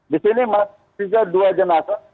di sini masih ada dua jenazah